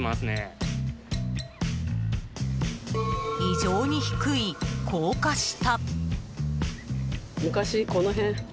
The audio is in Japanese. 異常に低い高架下。